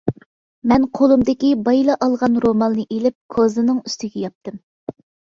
مەن قولۇمدىكى بايىلا ئالغان رومالنى ئېلىپ كوزىنىڭ ئۈستىگە ياپتىم.